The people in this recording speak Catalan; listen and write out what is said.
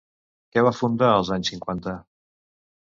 Què va fundar als anys cinquanta?